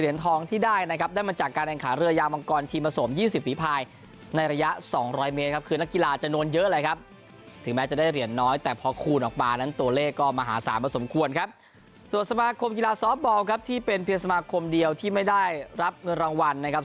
เยอะเลยถึงแม้จะได้เหรียญน้อยแต่พอคูณออกบางนั้นตัวเลขก็มหา๓มาสมควรครับส่วนสมาคมกีฬาซอฟต์บอลครับที่เป็นเพียสมาคมเดียวที่ไม่ได้รับเงินรางวัลนะครับ